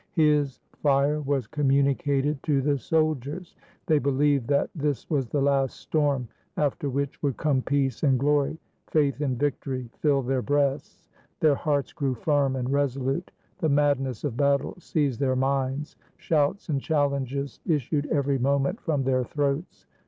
His fire was communicated to the soldiers. They believed that this was the last storm, after which would come peace and glory; faith in victory filled their breasts. Their hearts grew firm and resolute; the madness of battle seized their minds. Shouts and challenges issued every moment from their throats.